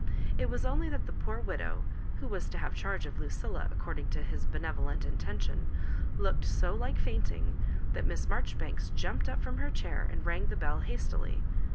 It was only that the poor widow who was to have charge of Lucilla, according to his benevolent intention, looked so like fainting, that Miss MarjoBibanks jumped up from her chair and rang the bell hastily.